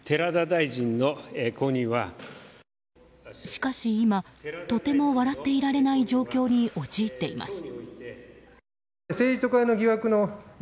しかし今、とても笑っていられない状況に陥っています。